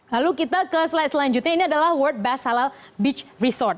lalu kita ke slide selanjutnya ini adalah world best halal beach resort